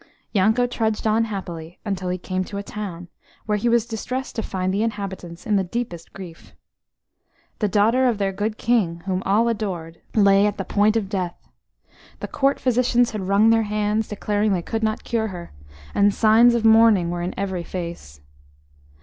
Yanko trudged on happily until he came to a town, where he was distressed to find the inhabitants in the deepest grief. The daughter of their good King, whom all adored, lay at the point of death. The court physicians had wrung their hands, declaring they could not cure her, and signs of mourning were in every face.